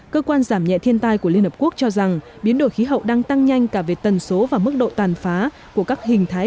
cơ quan giảm nhẹ thiên tai của liên hợp quốc cho rằng biến đổi khí hậu đang tăng nhanh cả về tần số và mức độ tàn phá của các hình thái